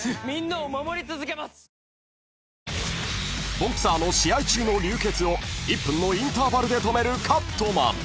［ボクサーの試合中の流血を１分のインターバルで止めるカットマン］